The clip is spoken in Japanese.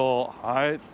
はい。